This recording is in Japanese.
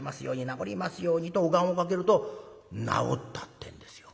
治りますように」とお願をかけると治ったってんですよ。